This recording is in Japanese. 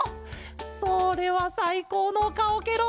それはさいこうのかおケロ！